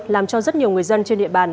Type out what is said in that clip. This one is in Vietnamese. làm cho rất nhiều người dân trên địa bàn